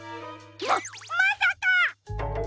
ままさか！